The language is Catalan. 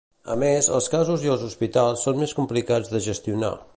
A més, els casos i els hospitals són més complicats de gestionar.